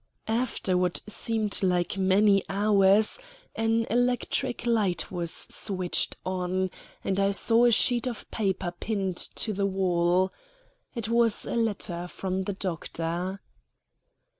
After what seemed like many hours an electric light was switched on, and I saw a sheet of paper pinned to the wall. It was a letter from the doctor.